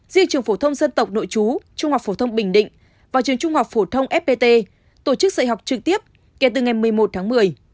riêng trường phổ thông dân tộc nội chú trung học phổ thông bình định và trường trung học phổ thông fpt tổ chức dạy học trực tiếp kể từ ngày một mươi một tháng một mươi